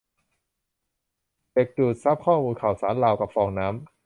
เด็กดูดซับข้อมูลข่าวสารราวกับฟองน้ำ